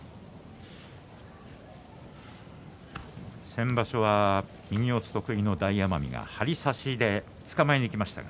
先場所は右四つ得意の大奄美が張り差しでつかまえにいきました。